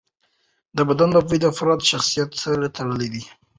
د بدن بوی د فرد شخصیت سره تړلی دی.